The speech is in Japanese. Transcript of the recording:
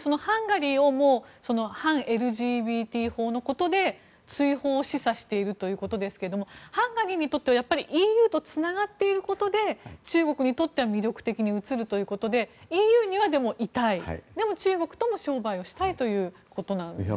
そのハンガリーを反ＬＧＢＴ法のことで追放を示唆しているということですがハンガリーにとってはＥＵとつながっていることで中国にとっては魅力的に映るということでＥＵには、でもいたいでも、中国とも商売したいということなんですか。